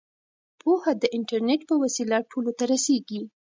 پوهه د انټرنیټ په وسیله ټولو ته رسیږي.